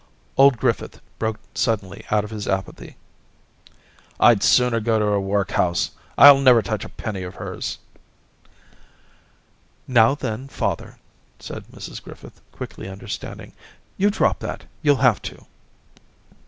Old Griffith broke suddenly out of his apathy. * I'd sooner go to the workhouse ; I'll never touch a penny of hers !' Daisy 269 * Now then, father/ said Mrs Griffith, quickly understanding, *you drop that, youll have to.'